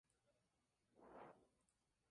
Este aeródromo es de propiedad pública.